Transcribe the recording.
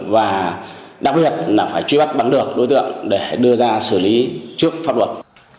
và đặc biệt là phải truy bắt bắn được đối tượng để đưa ra xử lý trước pháp luật